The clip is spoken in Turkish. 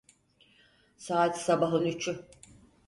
Saat sabahın üçü.